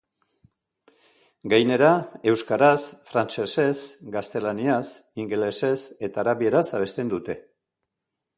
Gainera, euskaraz, frantsesez, gaztelaniaz, ingelesez eta arabieraz abesten dute.